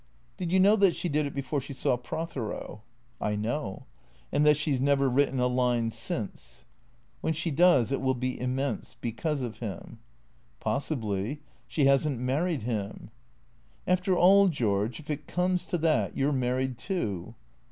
" Did you know that she did it before she saw Prothero." " I know." " And that she 's never written a line since ?"" When she does it will be immense. Because of him." " Possibly. She has n't married him." " After all, George, if it comes to that, you 're married too."